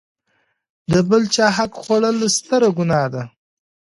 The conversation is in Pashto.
د بل چاحق خوړل ستره ګناه ده.